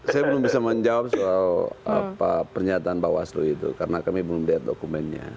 saya belum bisa menjawab soal pernyataan bawaslu itu karena kami belum lihat dokumennya